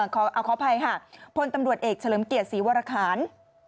ขออภัยค่ะพลตำรวจเอกเฉลิมเกียรติศรีวรคาร